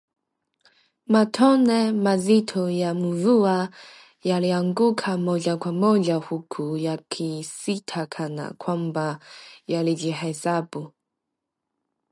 Matone mazito ya mvua yalianguka moja kwa moja huku yakisita kana kwamba yalijihesabu